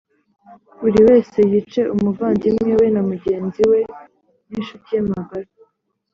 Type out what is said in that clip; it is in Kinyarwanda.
buri wese yice umuvandimwe we na mugenzi we n incuti ye magara